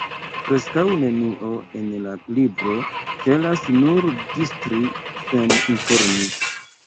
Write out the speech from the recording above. Preskaŭ nenio en la libro celas nur distri sen informi.